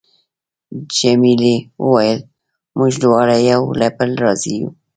جميلې وويل: موږ دواړه یو له بله راضي یو.